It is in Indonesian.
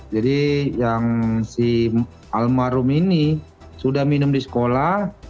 jadi yang si almarhum ini sudah minum di sekolah